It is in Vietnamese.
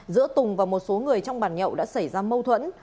giữa tùng và một số người trong bàn nhậu đã xảy ra mâu thuẫn